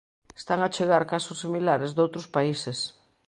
Están a chegar casos similares doutros países.